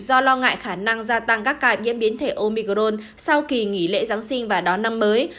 do lo ngại khả năng gia tăng các ca nhiễm biến thể omicron sau kỳ nghỉ lễ giáng sinh và đón năm mới